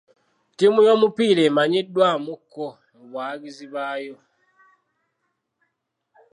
Ttiimu y'omupiira emanyiddwamuko mu bawagizi baayo.